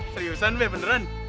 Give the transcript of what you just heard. seriusan be beneran